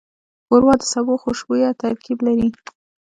ښوروا د سبو خوشبویه ترکیب لري.